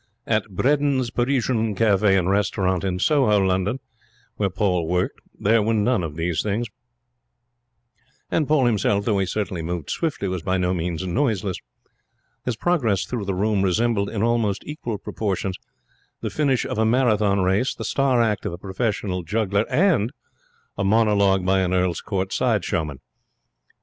At Bredin's Parisian Cafe and Restaurant in Soho, where Paul worked, there were none of these things; and Paul himself, though he certainly moved swiftly, was by no means noiseless. His progress through the room resembled in almost equal proportions the finish of a Marathon race, the star act of a professional juggler, and a monologue by an Earl's Court side showman.